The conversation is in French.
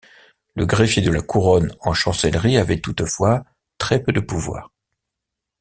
Le greffier de la Couronne en chancellerie avait toutefois, très peu de pouvoir.